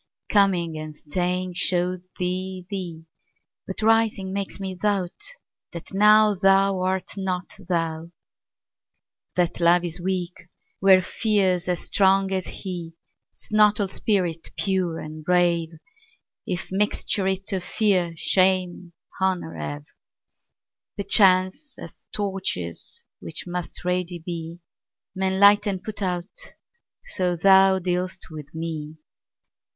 Coming and staying show'd thee thee; But rising makes me doubt that nowThou art not thou. That Love is weak where Fear's as strong as he;'Tis not all spirit pure and brave, If mixture it of Fear, Shame, Honour have. Perchance, as torches, which must ready be, Men light and put out, so thou dealst with me.